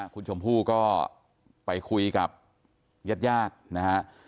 คุณชมภู่ก็ไปคุยกับยัดยาดนะฮะ